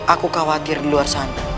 aku khawatir di luar sana